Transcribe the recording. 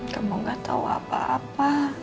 kamu gak tahu apa apa